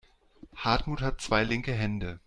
Hartmut hat zwei linke Hände.